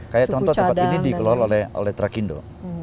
kayak contoh tempat ini dikelola oleh trakindo